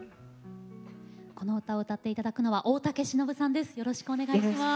この歌を歌っていただくのは大竹しのぶさんです。